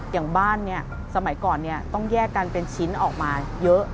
อย่างบ้านเนี่ยสมัยก่อนต้องแยกกันเป็นชิ้นออกมาเยอะ